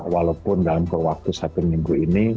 walaupun dalam kurun waktu satu minggu ini